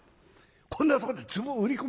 こんなとこでツボを売り込む